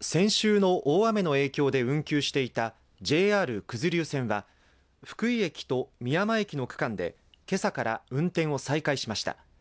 先週の大雨の影響で運休していたＪＲ九頭竜線は福井駅と美山駅の区間でけさから運転を再開しました。